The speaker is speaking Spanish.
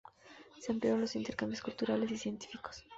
Se ampliaron los intercambios culturales y científicos.